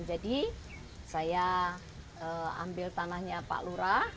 jadi saya ambil tanahnya pak lurah